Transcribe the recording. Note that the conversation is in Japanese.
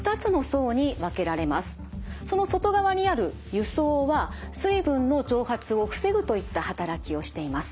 その外側にある油層は水分の蒸発を防ぐといった働きをしています。